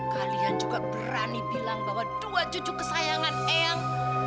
kalian juga berani bilang bahwa dua cucu kesayangan eyang